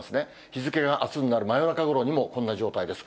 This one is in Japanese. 日付があすになる真夜中ごろにもこんな状態です。